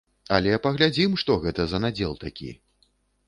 Але паглядзім, што гэта за надзел такі.